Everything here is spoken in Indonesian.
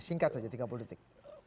singkat saja tiga puluh detik